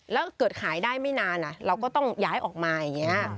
แล้วเกิดขายได้ไม่นานเราก็ต้องย้ายออกมาอย่างนี้